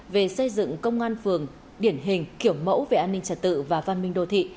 về xây dựng công an phường điển hình kiểu mẫu về an ninh trật tự và văn minh đô thị